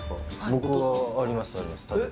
僕はあります、あります。